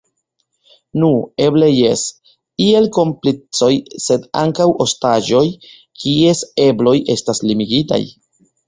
Nu, eble jes, iel komplicoj sed ankaŭ ostaĝoj kies ebloj estas limigitaj.